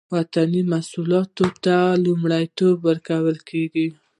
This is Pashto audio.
وطني محصولاتو ته لومړیتوب ورکول کیږي